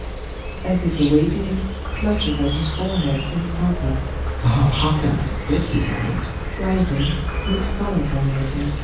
ALLMERS. [As if awakening, clutches at his forehead and starts up.] Oh, how can I sit here and ASTA. [Rising, looks sorrowfully at him.